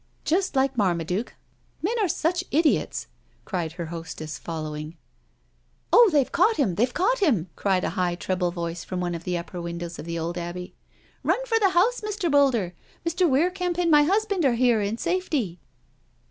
Just like Marmaduke— men are such idiots," said her hostess, following. '* Oh, they've caught him, they've caught him/' cried a high treble voice from one of the upper windows of the old Abbey. " Run for the house, Mr. Boulder. Mr. Weir Kemp and my husband are here in safety."